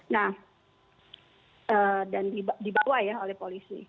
nah dan dibawa ya oleh polisi